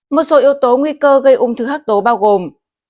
một số yếu tố nguy cơ gây ung thư hạc tố bao gồm